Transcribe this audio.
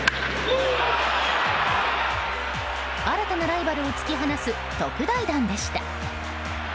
新たなライバルを突き放す特大弾でした。